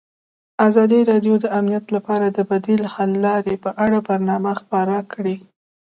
ازادي راډیو د امنیت لپاره د بدیل حل لارې په اړه برنامه خپاره کړې.